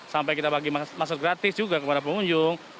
sampai kita bagi masker gratis juga kepada pengunjung